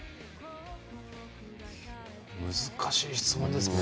難しい質問ですね。